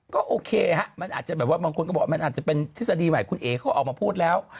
ก็โอเคครับเหมือนบางคนก็บอกมันอาจจะเป็นทฤษฎีใหม่คุณเอเขาออกมาพูดแล้ว